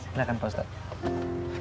silahkan pak ustadz